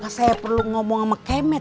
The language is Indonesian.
apa saya perlu ngomong sama kemet ya